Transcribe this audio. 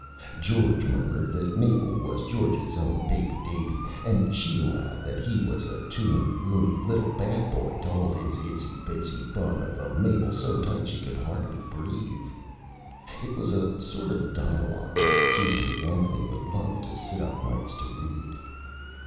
George murmured that Mabel was George's own Baby Daby and she Allowed that he was a Tooney Wooney little Bad Boy to hold his Itsy Bitsy Bun of a Mabel so tight she could hardly breave. It was a sort of Dialogue that Susan B. Anthony would love to sit up Nights to Read.